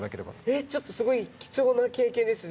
えっちょっとすごい貴重な経験ですね。